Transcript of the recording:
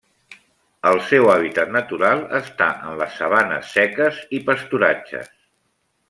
El seu hàbitat natural està en les sabanes seques i pasturatges.